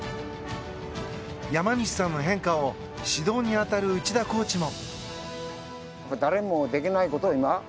山西さんの変化を指導に当たる内田コーチも。